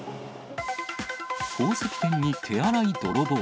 宝石店に手荒い泥棒。